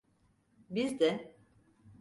Biz de…